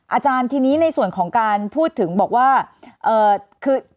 อาจารย์ทีนี้ในส่วนของการพูดถึงบอกว่าคือ